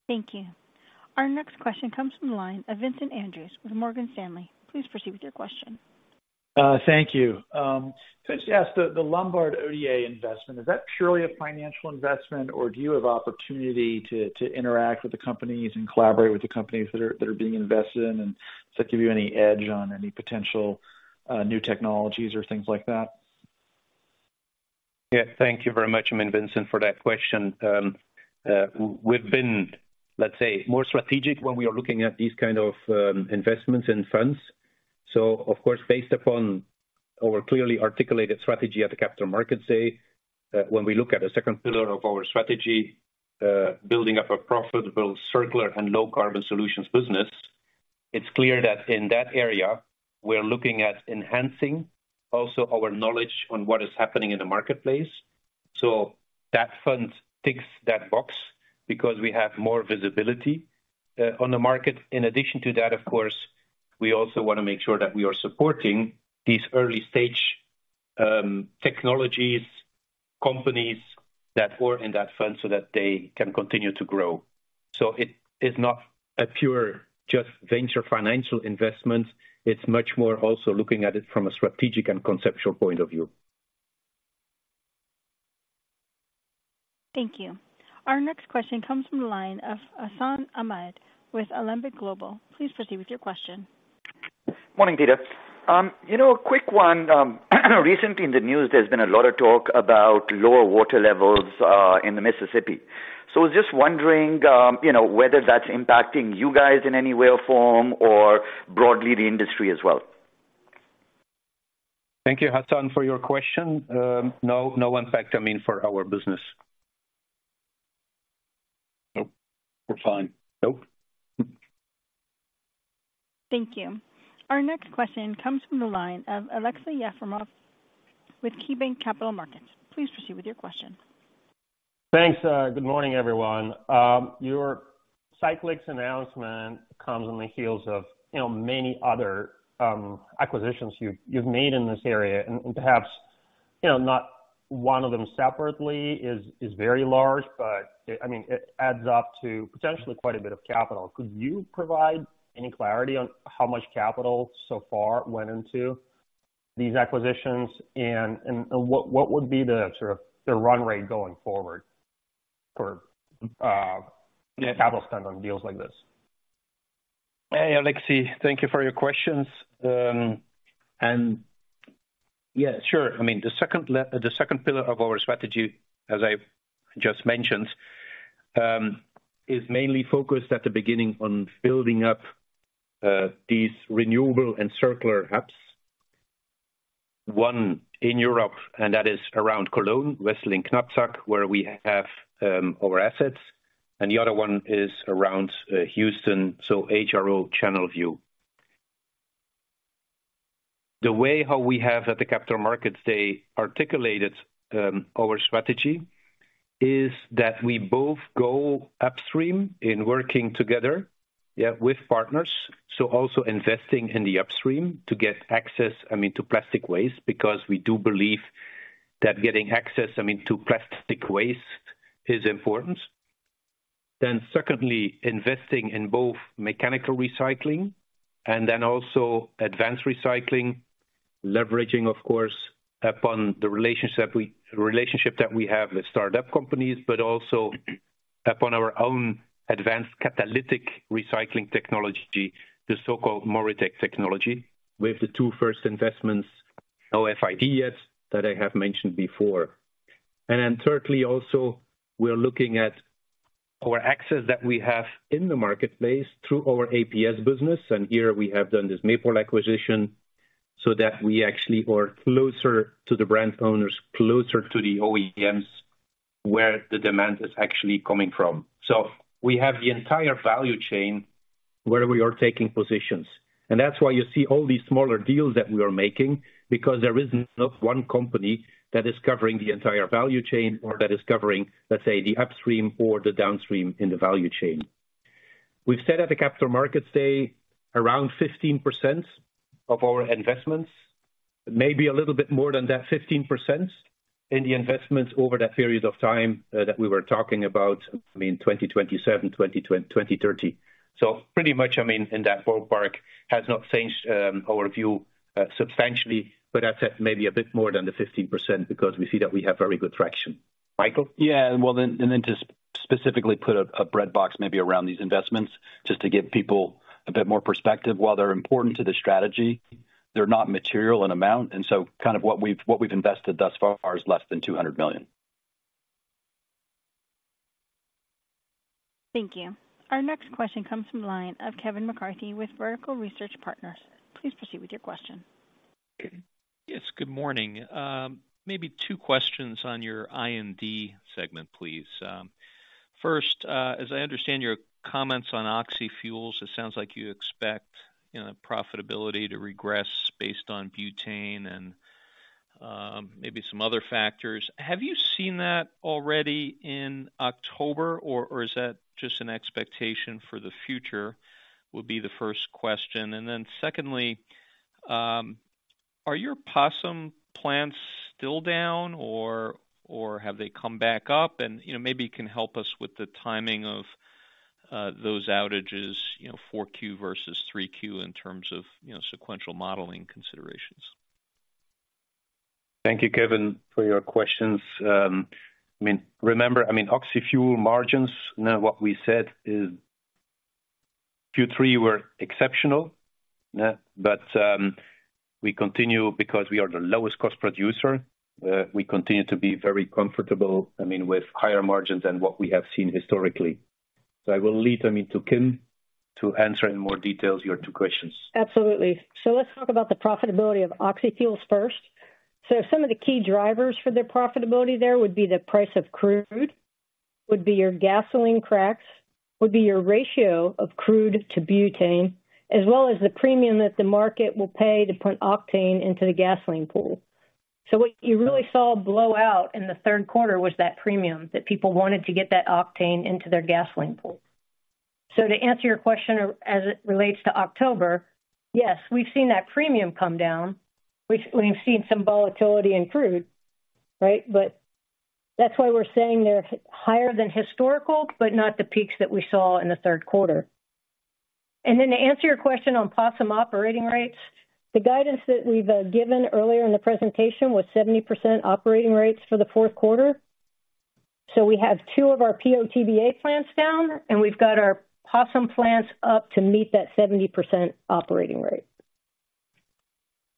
Thank you. Our next question comes from the line of Vincent Andrews with Morgan Stanley. Please proceed with your question. Thank you. Just yes, the Lombard Odier investment, is that purely a financial investment, or do you have opportunity to interact with the companies and collaborate with the companies that are being invested in, and does that give you any edge on any potential new technologies or things like that? Yeah. Thank you very much, I mean, Vincent, for that question. We've been, let's say, more strategic when we are looking at these kind of investments and funds. So of course, based upon our clearly articulated strategy at the Capital Markets Day, when we look at the second pillar of our strategy, building up a profitable, circular and low-carbon solutions business, it's clear that in that area, we are looking at enhancing also our knowledge on what is happening in the marketplace. So that fund ticks that box because we have more visibility on the market. In addition to that, of course, we also want to make sure that we are supporting these early-stage technologies, companies that were in that fund so that they can continue to grow. So it is not a pure, just venture financial investment. It's much more also looking at it from a strategic and conceptual point of view. Thank you. Our next question comes from the line of Hassan Ahmed with Alembic Global. Please proceed with your question. Morning, Peter. You know, a quick one. Recently in the news, there's been a lot of talk about lower water levels in the Mississippi. So I was just wondering, you know, whether that's impacting you guys in any way or form, or broadly, the industry as well? Thank you, Hassan, for your question. No, no impact, I mean, for our business.... Nope, we're fine. Nope. Thank you. Our next question comes from the line of Alexei Yefremov with KeyBanc Capital Markets. Please proceed with your question. Thanks. Good morning, everyone. Your Cyclyx announcement comes on the heels of, you know, many other acquisitions you've made in this area. And perhaps, you know, not one of them separately is very large, but, I mean, it adds up to potentially quite a bit of capital. Could you provide any clarity on how much capital so far went into these acquisitions? And what would be the sort of the run rate going forward for capital spend on deals like this? Hey, Alexei, thank you for your questions. And yeah, sure. I mean, the second pillar of our strategy, as I just mentioned, is mainly focused at the beginning on building up these renewable and circular hubs. One in Europe, and that is around Cologne, Wesseling-Knapsack, where we have our assets, and the other one is around Houston, so our Channelview. The way how we have at the Capital Markets Day articulated our strategy is that we both go upstream in working together, yeah, with partners, so also investing in the upstream to get access, I mean, to plastic waste, because we do believe that getting access, I mean, to plastic waste is important. Then secondly, investing in both mechanical recycling and then also advanced recycling, leveraging, of course, upon the relationship we... relationship that we have with start-up companies, but also upon our own advanced catalytic recycling technology, the so-called MoReTec technology, with the two first investments, OFID, yes, that I have mentioned before. And then thirdly, also, we're looking at our access that we have in the marketplace through our APS business, and here we have done this Mepol acquisition, so that we actually are closer to the brand owners, closer to the OEMs, where the demand is actually coming from. So we have the entire value chain where we are taking positions, and that's why you see all these smaller deals that we are making, because there is not one company that is covering the entire value chain or that is covering, let's say, the upstream or the downstream in the value chain. We've said at the Capital Markets Day, around 15% of our investments, maybe a little bit more than that 15% in the investments over that period of time, that we were talking about, I mean, 2027, 2020, 2030. So pretty much, I mean, in that ballpark, has not changed our view substantially, but I'd say maybe a bit more than the 15%, because we see that we have very good traction. Michael? Yeah, well, then to specifically put a breadbox maybe around these investments, just to give people a bit more perspective, while they're important to the strategy, they're not material in amount, and so kind of what we've invested thus far is less than $200 million. Thank you. Our next question comes from the line of Kevin McCarthy with Vertical Research Partners. Please proceed with your question. Yes, good morning. Maybe two questions on your I&D segment, please. First, as I understand your comments on oxyfuels, it sounds like you expect, you know, profitability to regress based on butane and, maybe some other factors. Have you seen that already in October, or, or is that just an expectation for the future? Would be the first question. And then secondly, are your POSM plants still down or, or have they come back up? And, you know, maybe you can help us with the timing of, those outages, you know, 4Q versus 3Q, in terms of, you know, sequential modeling considerations. Thank you, Kevin, for your questions. I mean, remember, I mean, oxyfuel margins, now, what we said is Q3 were exceptional. But, we continue because we are the lowest cost producer, we continue to be very comfortable, I mean, with higher margins than what we have seen historically. So I will lead, I mean, to Kim to answer in more details your two questions. Absolutely. So let's talk about the profitability of oxyfuels first. So some of the key drivers for the profitability there would be the price of crude, would be your gasoline cracks, would be your ratio of crude to butane, as well as the premium that the market will pay to put octane into the gasoline pool. So what you really saw blow out in the third quarter was that premium, that people wanted to get that octane into their gasoline pool. So to answer your question, as it relates to October, yes, we've seen that premium come down. We've seen some volatility in crude, right? But that's why we're saying they're higher than historical, but not the peaks that we saw in the third quarter. Then to answer your question on POSM operating rates, the guidance that we've given earlier in the presentation was 70% operating rates for the fourth quarter. So we have two of our PO/TBA plants down, and we've got our POSM plants up to meet that 70% operating rate.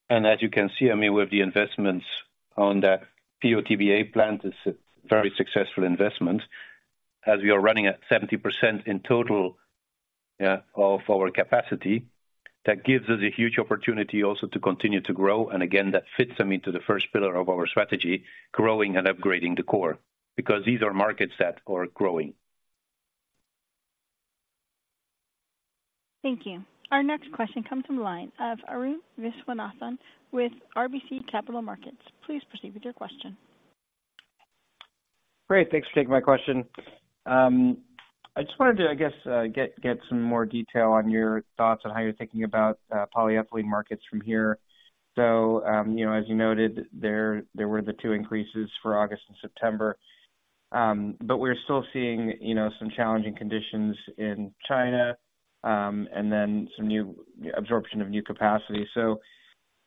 As you can see, I mean, with the investments on that PO/TBA plant, it's a very successful investment, as we are running at 70% in total. Yeah, of our capacity, that gives us a huge opportunity also to continue to grow, and again, that fits them into the first pillar of our strategy, growing and upgrading the core, because these are markets that are growing. Thank you. Our next question comes from the line of Arun Viswanathan with RBC Capital Markets. Please proceed with your question. Great. Thanks for taking my question. I just wanted to, I guess, get some more detail on your thoughts on how you're thinking about, polyethylene markets from here. So, you know, as you noted, there were the two increases for August and September. But we're still seeing, you know, some challenging conditions in China, and then some new absorption of new capacity. So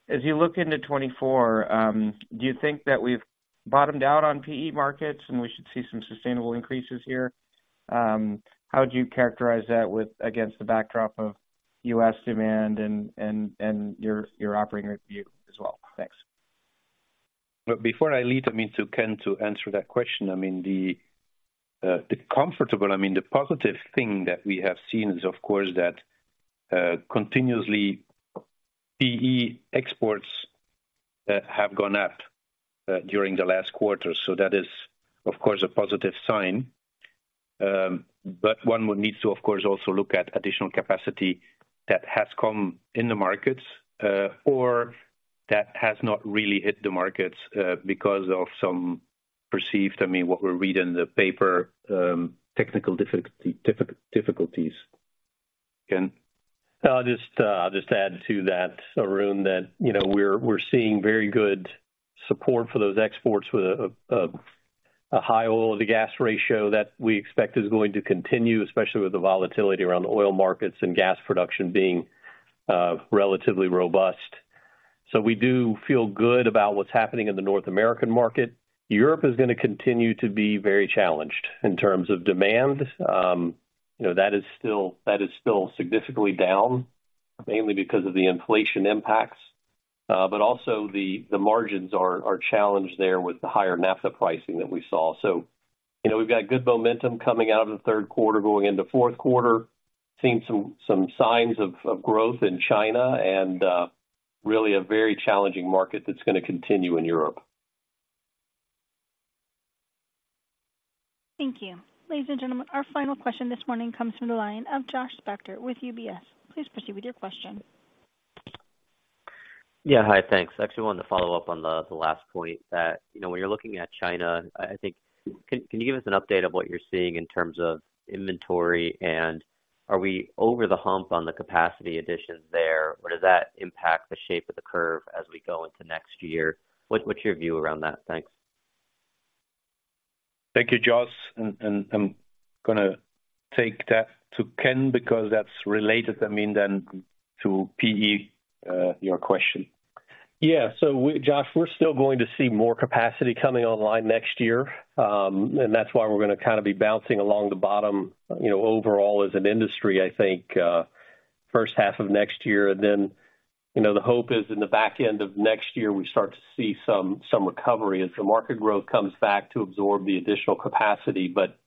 as you look into 2024, do you think that we've bottomed out on PE markets, and we should see some sustainable increases here? How would you characterize that against the backdrop of U.S. demand and, and your operating review as well? Thanks. But before I lead them into Ken to answer that question, I mean, the comfortable I mean, the positive thing that we have seen is of course that continuously PE exports have gone up during the last quarter, so that is of course a positive sign. But one would need to of course also look at additional capacity that has come in the markets or that has not really hit the markets because of some perceived, I mean, what we read in the paper, technical difficulties. Ken? I'll just add to that, Arun, that, you know, we're seeing very good support for those exports with a high oil to gas ratio that we expect is going to continue, especially with the volatility around oil markets and gas production being relatively robust. We do feel good about what's happening in the North American market. Europe is gonna continue to be very challenged in terms of demand. You know, that is still significantly down, mainly because of the inflation impacts, but also the margins are challenged there with the higher naphtha pricing that we saw. We've got good momentum coming out of the third quarter, going into fourth quarter, seeing some signs of growth in China and really a very challenging market that's gonna continue in Europe. Thank you. Ladies and gentlemen, our final question this morning comes from the line of Josh Spector with UBS. Please proceed with your question. Yeah, hi. Thanks. I actually wanted to follow up on the last point that, you know, when you're looking at China, I think... Can you give us an update of what you're seeing in terms of inventory, and are we over the hump on the capacity additions there, or does that impact the shape of the curve as we go into next year? What's your view around that? Thanks. Thank you, Josh, and I'm gonna take that to Ken, because that's related, I mean, then, to PE, your question. Yeah. So, Josh, we're still going to see more capacity coming online next year. And that's why we're gonna kind of be bouncing along the bottom, you know, overall, as an industry, I think, first half of next year. And then, you know, the hope is in the back end of next year, we start to see some recovery as the market growth comes back to absorb the additional capacity. But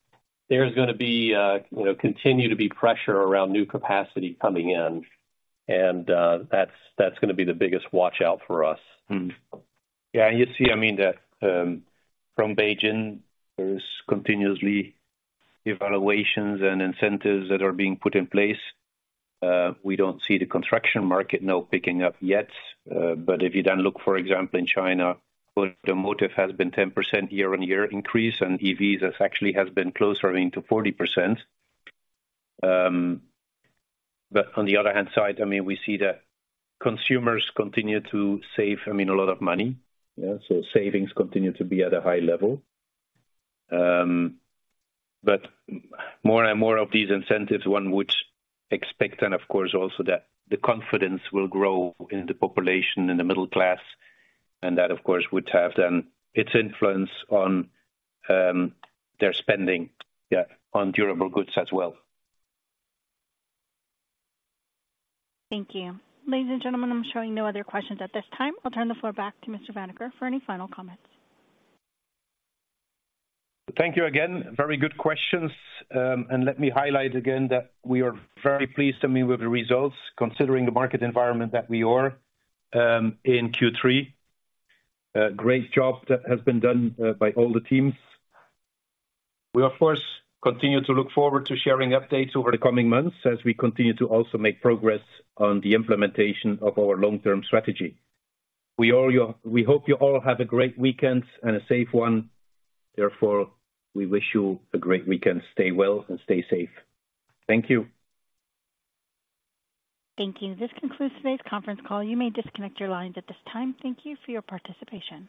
there's gonna be, you know, continue to be pressure around new capacity coming in, and that's gonna be the biggest watch-out for us. Mm. Yeah, and you see, I mean, that from Beijing, there is continuously evaluations and incentives that are being put in place. We don't see the construction market now picking up yet, but if you then look, for example, in China, automotive has been 10% year-on-year increase, and EVs actually has been closer, I mean, to 40%. But on the other hand side, I mean, we see that consumers continue to save, I mean, a lot of money. Yeah, so savings continue to be at a high level. But more and more of these incentives, one would expect, and of course, also that the confidence will grow in the population in the middle class, and that, of course, would have then its influence on their spending, yeah, on durable goods as well. Thank you. Ladies and gentlemen, I'm showing no other questions at this time. I'll turn the floor back to Mr. Vanacker for any final comments. Thank you again. Very good questions. And let me highlight again that we are very pleased, I mean, with the results, considering the market environment that we are in Q3. Great job that has been done by all the teams. We, of course, continue to look forward to sharing updates over the coming months, as we continue to also make progress on the implementation of our long-term strategy. We hope you all have a great weekend and a safe one. Therefore, we wish you a great weekend. Stay well and stay safe. Thank you. Thank you. This concludes today's conference call. You may disconnect your lines at this time. Thank you for your participation.